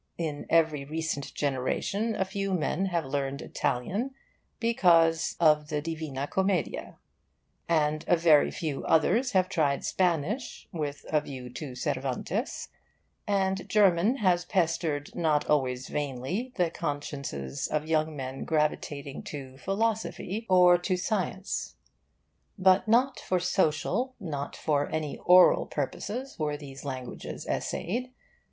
In every recent generation a few men have learned Italian because of the Divina Commedia; and a very few others have tried Spanish, with a view to Cervantes; and German has pestered not always vainly the consciences of young men gravitating to philosophy or to science. But not for social, not for any oral purposes were these languages essayed.